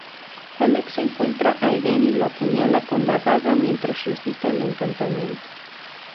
Alex encuentra a Eden y lo apuñala con la daga mientras recita el encantamiento.